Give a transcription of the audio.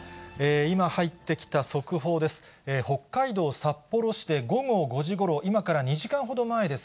今、入ってきた速報です。